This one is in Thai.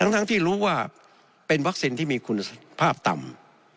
ทั้งที่รู้ว่าเป็นวัคซีนที่มีคุณภาพต่ำ